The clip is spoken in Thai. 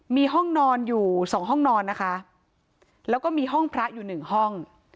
มีห้องนอนอยู่สองห้องนอนนะคะแล้วก็มีห้องพระอยู่หนึ่งห้อง